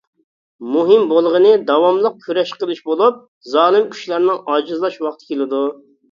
مۇھىم بولغىنى داۋاملىق كۈرەش قىلىش بولۇپ، زالىم كۈچلەرنىڭ ئاجىزلاش ۋاقتى كېلىدۇ.